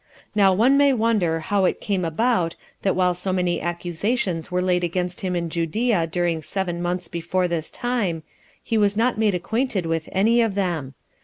Now one may wonder how it came about, that while so many accusations were laid against him in Judea during seven months before this time, he was not made acquainted with any of them.